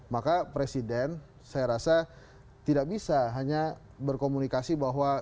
maka presiden saya rasa tidak bisa hanya berkomunikasi bahwa